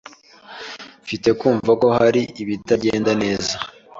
Mfite kumva ko hari ibitagenda neza.